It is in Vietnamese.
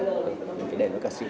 mình phải để với ca sĩ